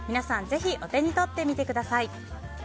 ぜひ、お手に取ってみてください。